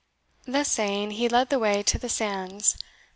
Thus saying, he led the way to the sands.